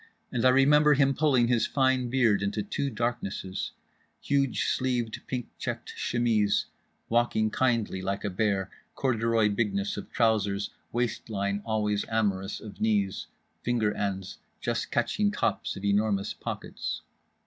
And I remember him pulling his fine beard into two darknesses—huge sleeved, pink checked chemise—walking kindly like a bear—corduroy bigness of trousers, waistline always amorous of knees—finger ends just catching tops of enormous pockets.